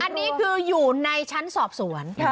อันนี้คืออยู่ในชั้นสอบสวน